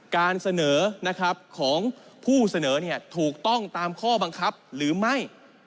การเสนอนะครับของผู้เสนอเนี่ยถูกต้องตามข้อบังคับหรือไม่